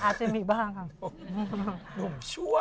อาจจะมีบ้างค่ะ